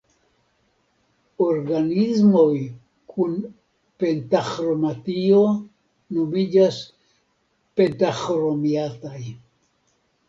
Organismoj kun pentaĥromatio nomiĝas "pentaĥromatiaj".